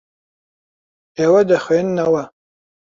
ئێوە دەخوێننەوە.